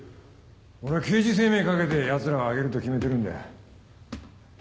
俺は刑事生命かけてやつらを挙げると決めてるんだ。